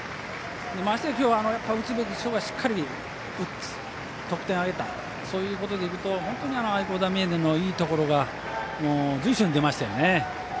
まして今日は打つべき人がしっかり打って、得点を挙げたそういうことでいうと本当に愛工大名電のいいところが随所に出ましたね。